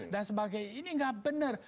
dan sebagai ini nggak benar